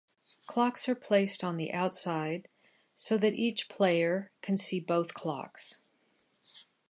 Clocks are placed on the outside so that each player can see both clocks.